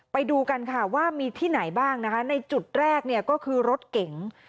ไปดูกันค่ะว่ามีที่ไหนบ้างนะคะในจุดแรกเนี่ยก็คือรถเก๋ง